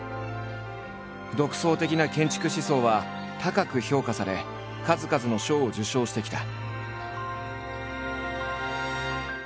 独創的な建築思想は高く評価され数々の賞を受賞してきた。